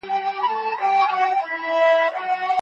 موږ مسلمانان یو.